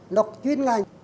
nó chuyên ngành